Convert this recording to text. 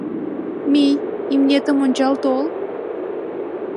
— Мий, имнетым ончал тол.